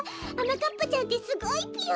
まかっぱちゃんってすごいぴよ。